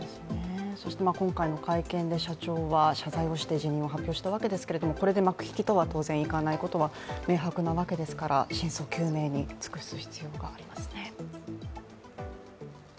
そして今回の会見で社長は謝罪をして辞任を発表したわけですけれども、これで幕引きとはならないことは明白なわけですから、真相究明に尽くす必要がありますね。